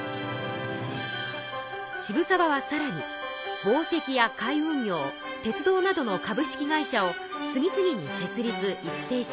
渋沢はさらに紡績や海運業鉄道などの株式会社を次々に設立育成しました。